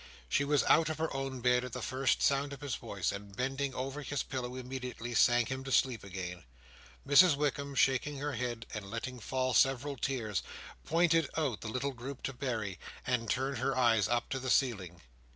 She was out of her own bed at the first sound of his voice; and bending over his pillow immediately, sang him to sleep again. Mrs Wickam shaking her head, and letting fall several tears, pointed out the little group to Berry, and turned her eyes up to the ceiling.